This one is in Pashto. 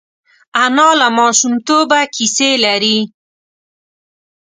انا له ماشومتوبه کیسې لري